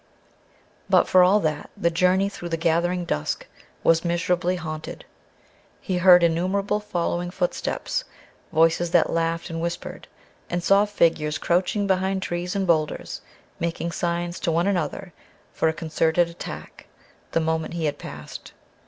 But for all that the journey through the gathering dusk was miserably haunted. He heard innumerable following footsteps; voices that laughed and whispered; and saw figures crouching behind trees and boulders, making signs to one another for a concerted attack the moment he had passed.